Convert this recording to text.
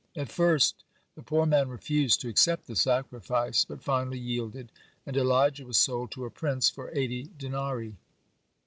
At first the poor man refused to accept the sacrifice, but finally yielded, and Elijah was sold to a prince for eighty denarii.